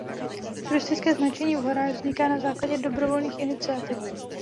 Turistické značení v horách vzniká na základě dobrovolných iniciativ.